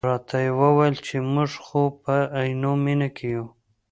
راته یې وویل چې موږ خو په عینومېنه کې یو.